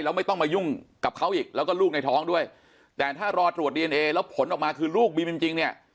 แล้วไม่ต้องมายุ่งกับเขาอีกแล้วก็ลูกในท้องด้วยแต่ถ้ารอตรวจดีเอนเอแล้วผลออกมาคือลูกบีมจริงเนี่ย